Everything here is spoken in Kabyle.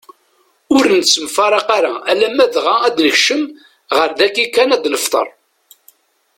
Ur nettemfraq ara alamm dɣa ad nekcem ɣer dagi kan ad nefteṛ.